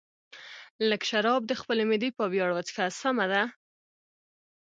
لږ شراب د خپلې معدې په ویاړ وڅښه، سمه ده.